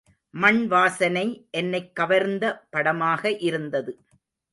மண்வாசனை என்னைக் கவர்ந்த படமாக இருந்தது.